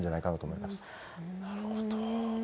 なるほど。